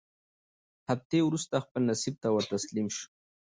هفتې وورسته خپل نصیب ته ورتسلیم سو